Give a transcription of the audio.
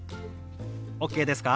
ＯＫですか？